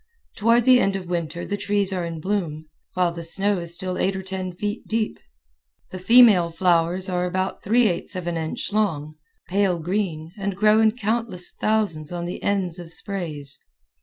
Toward the end of winter the trees are in bloom, while the snow is still eight or ten feet deep. The female flowers are about three eighths of an inch long, pale green, and grow in countless thousands on the ends of sprays.